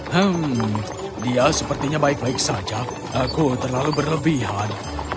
hmm dia sepertinya baik baik saja aku terlalu berlebihan